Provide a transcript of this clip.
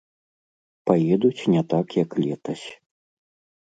Паедуць не так як летась.